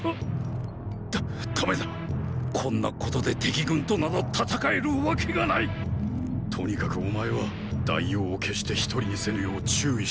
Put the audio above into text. だ駄目だこんなことで敵軍となど戦えるわけがないとにかくお前は大王を決して一人にせぬよう注意しろ。